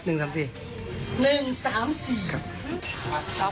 อืมอืมอืม